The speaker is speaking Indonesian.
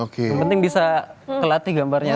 yang penting bisa kelatih gambarnya